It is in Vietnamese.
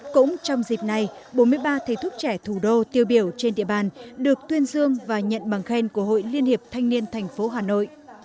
cũng trong dịp này bốn mươi ba thầy thuốc trẻ thủ đô tiêu biểu trên địa bàn được tuyên dương và nhận bằng khen của hội liên hiệp thanh niên thành phố hà nội